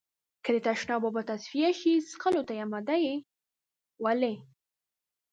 که د تشناب اوبه تصفيه شي، څښلو ته يې آماده يئ؟ ولې؟